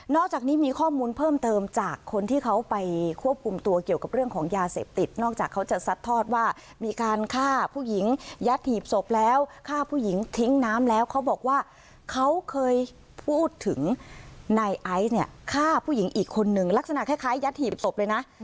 อกจากนี้มีข้อมูลเพิ่มเติมจากคนที่เขาไปควบคุมตัวเกี่ยวกับเรื่องของยาเสพติดนอกจากเขาจะซัดทอดว่ามีการฆ่าผู้หญิงยัดหีบศพแล้วฆ่าผู้หญิงทิ้งน้ำแล้วเขาบอกว่าเขาเคยพูดถึงนายไอซ์เนี่ยฆ่าผู้หญิงอีกคนนึงลักษณะคล้ายยัดหีบศพเลยนะ